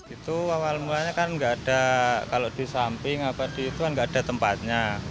itu awal mulanya kan nggak ada kalau di samping apa di itu kan nggak ada tempatnya